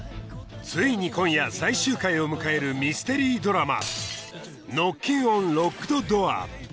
ついに今夜最終回を迎えるミステリードラマ『ノッキンオン・ロックドドア』